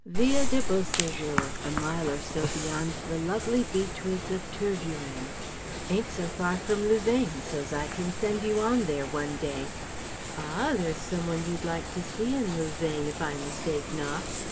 Villa de Beau séjour, a mile or so beyond the lovely beech woods of Tervueren. Ain't so far from Louvain, so's I can send you on there one day Ah! There's some one you'd like to see in Louvain, if I mistake not!